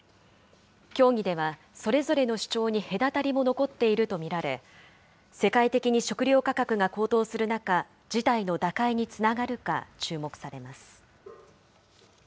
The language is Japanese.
協議では、それぞれの主張に隔たりも残っていると見られ、世界的に食料価格が高騰する中、事態の打開につながるか、注目されます。